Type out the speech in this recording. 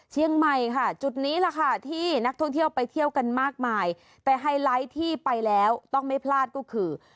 เชียงใหม่ค่ะจุดนี้แหละค่ะที่นักท่องเที่ยวไปเที่ยวกันมากมายแต่ไฮไลท์ที่ไปแล้วต้องไม่พลาดก็คือ